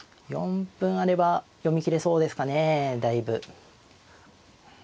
４分あれば読み切れそうですかねだいぶ。